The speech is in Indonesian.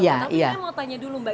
tapi saya mau tanya dulu mbak